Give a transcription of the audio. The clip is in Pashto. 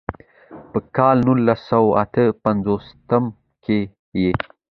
پۀ کال نولس سوه اتۀ پنځوستم کښې ئې